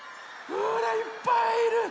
ほらいっぱいいる。